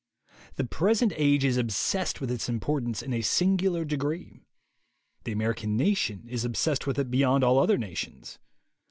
The present age is obsessed with its importance in a singular degree. The American nation is obsessed with it beyond all other nations.